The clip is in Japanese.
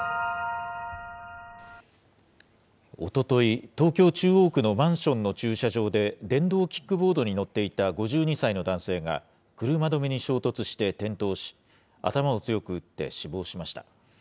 おととい、東京・中央区のマンションの駐車場で、電動キックボードに乗っていた５２歳の男性が、車止めに衝突して転倒し、頭を強く打って死亡しました。